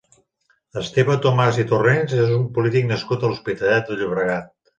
Esteve Tomàs i Torrens és un polític nascut a l'Hospitalet de Llobregat.